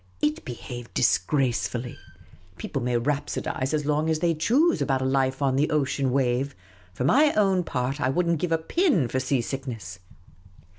It behaved disgracefully. People may rhapsodise as long as they choose about a life on the ocean wave; for my own part, I would n't give a pin for sea sick nes.s.